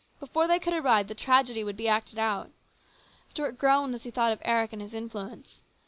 Before they could arrive the tragedy would be acted out. Stuart groaned as he thought of Eric and his influence.